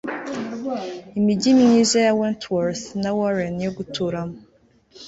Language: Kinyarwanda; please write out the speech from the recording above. Imijyi myiza ya Wentworth na Warren yo guturamo